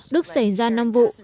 đức xảy ra năm vụ